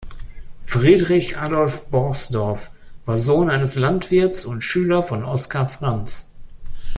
Friedrich Adolf Borsdorf war Sohn eines Landwirts und Schüler von Oskar Franz.